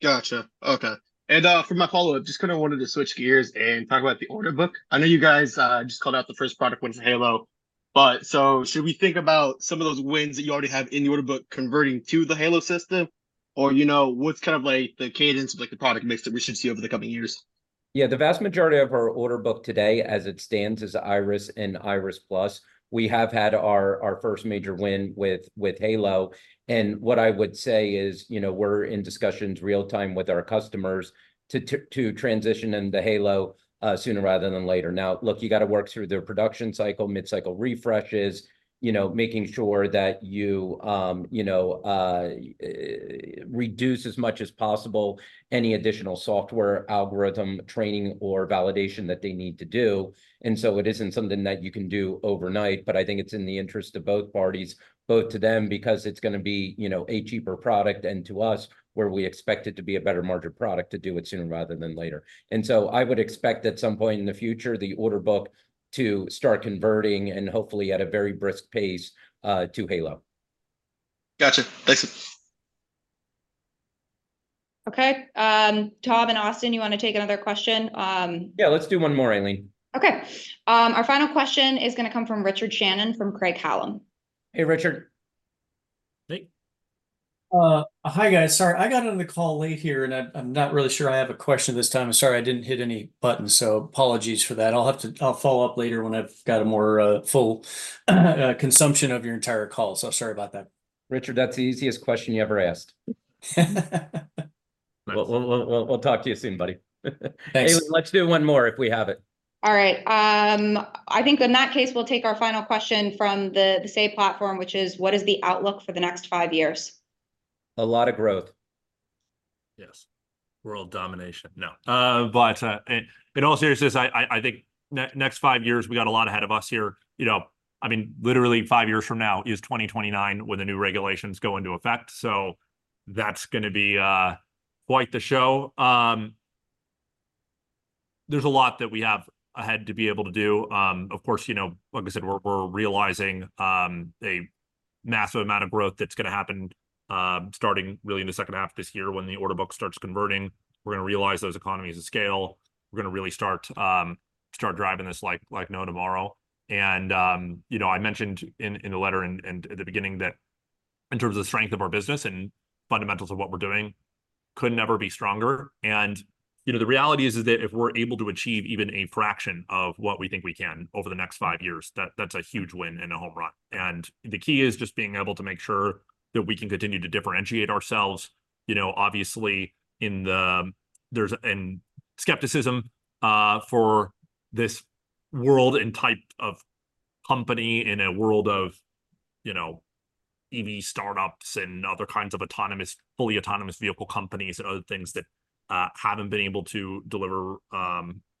Gotcha. Okay, and, for my follow-up, just kind of wanted to switch gears and talk about the order book. I know you guys just called out the first product win for Halo, but so should we think about some of those wins that you already have in the order book converting to the Halo system? Or, you know, what's kind of like the cadence of, like, the product mix that we should see over the coming years? Yeah, the vast majority of our order book today, as it stands, is Iris and Iris Plus. We have had our first major win with Halo, and what I would say is, you know, we're in discussions real time with our customers to transition into Halo sooner rather than later. Now, look, you gotta work through their production cycle, mid-cycle refreshes, you know, making sure that you reduce as much as possible any additional software, algorithm, training, or validation that they need to do. And so it isn't something that you can do overnight, but I think it's in the interest of both parties, both to them, because it's gonna be, you know, a cheaper product, and to us, where we expect it to be a better margin product, to do it sooner rather than later. And so I would expect at some point in the future, the order book to start converting, and hopefully at a very brisk pace, to Halo. Gotcha. Thanks. Okay, Tom and Austin, you wanna take another question? Yeah, let's do one more, Aileen. Okay. Our final question is gonna come from Richard Shannon, from Craig-Hallum. Hey, Richard. Hey. Hi, guys. Sorry, I got on the call late here, and I'm not really sure I have a question this time. I'm sorry I didn't hit any buttons, so apologies for that. I'll have to. I'll follow up later when I've got a more, full, consumption of your entire call. So sorry about that. Richard, that's the easiest question you ever asked. Well, we'll talk to you soon, buddy. Thanks. Aileen, let's do one more, if we have it. All right, I think in that case, we'll take our final question from the same platform, which is: What is the outlook for the next five years? A lot of growth. Yes. World domination. No, but in all seriousness, I think next five years, we got a lot ahead of us here. You know, I mean, literally five years from now is 2029, when the new regulations go into effect, so that's gonna be quite the show. There's a lot that we have ahead to be able to do. Of course, you know, like I said, we're realizing a massive amount of growth that's gonna happen, starting really in the second half of this year, when the order book starts converting. We're gonna realize those economies of scale. We're gonna really start driving this like no tomorrow. And, you know, I mentioned in the letter and at the beginning that in terms of the strength of our business and fundamentals of what we're doing, could never be stronger. And, you know, the reality is that if we're able to achieve even a fraction of what we think we can over the next five years, that's a huge win and a home run. And the key is just being able to make sure that we can continue to differentiate ourselves. You know, obviously, in the. There's an skepticism for this world and type of company, in a world of, you know, EV startups and other kinds of autonomous, fully autonomous vehicle companies, and other things that haven't been able to deliver,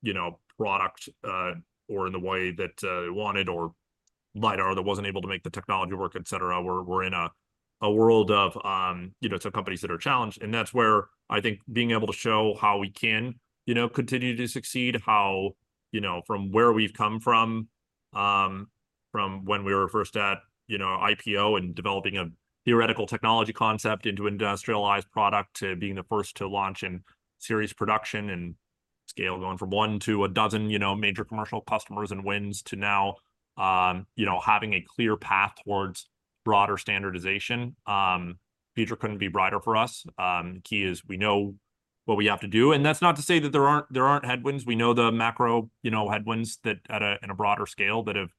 you know, product, or in the way that they wanted, or LiDAR that wasn't able to make the technology work, et cetera. We're in a world of, you know, so companies that are challenged, and that's where I think being able to show how we can, you know, continue to succeed, how, you know, from where we've come from, from when we were first at, you know, IPO and developing a theoretical technology concept into industrialized product, to being the first to launch in serious production and scale, going from one to a dozen, you know, major commercial customers and wins, to now, you know, having a clear path towards broader standardization. Future couldn't be brighter for us. Key is, we know what we have to do. And that's not to say that there aren't headwinds. We know the macro, you know, headwinds that at a broader scale, that have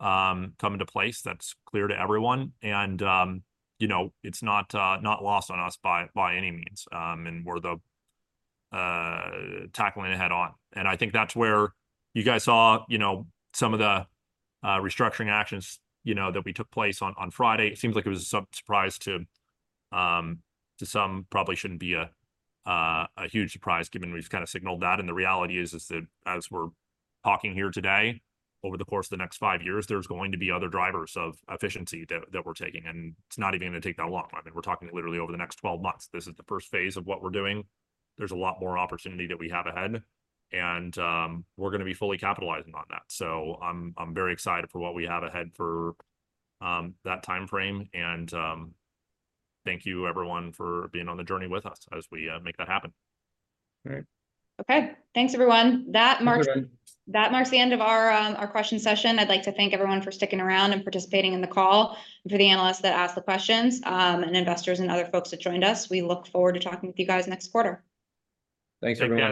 come into place. That's clear to everyone, and, you know, it's not not lost on us by any means. And we're tackling it head on. And I think that's where you guys saw, you know, some of the restructuring actions, you know, that took place on Friday. It seems like it was a surprise to some. Probably shouldn't be a huge surprise, given we've kind of signaled that. And the reality is that as we're talking here today, over the course of the next five years, there's going to be other drivers of efficiency that we're taking, and it's not even gonna take that long. I mean, we're talking literally over the next 12 months. This is the first phase of what we're doing. There's a lot more opportunity that we have ahead and, we're gonna be fully capitalizing on that. So I'm very excited for what we have ahead for that timeframe. And thank you, everyone, for being on the journey with us as we make that happen. All right. Okay. Thanks, everyone. Thanks, everyone. That marks, that marks the end of our, our question session. I'd like to thank everyone for sticking around and participating in the call. For the analysts that asked the questions, and investors and other folks that joined us, we look forward to talking with you guys next quarter. Thanks, everyone.